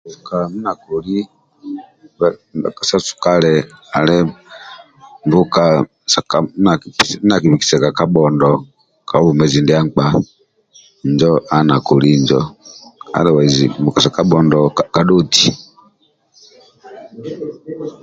Sa sukali ndia akibikisaga kabhondo ka bwomezi ndia nkpa adawaizi mbuka sa kabhondo kadhoti